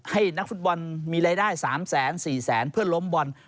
ให้นักฟุตบอลมีรายได้๓๔แสนเพื่อล้มบอล